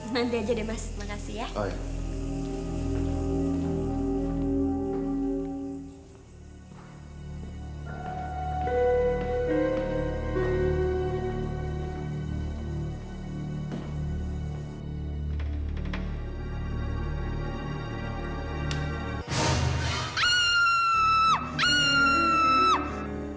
mandi aja deh mas makasih ya